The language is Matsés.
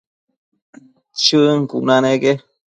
Chën cuna neque